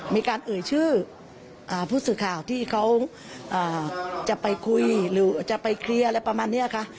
มีการเอ่ยชื่อผู้สื่อข่าวที่เขาจะไปคุยหรือจะไปเคลียร์อะไรประมาณนี้ค่ะ